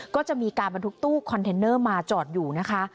ก็จะมีการบรรทุกตู้คอนเทนเนอร์มาจอดอยู่นะคะ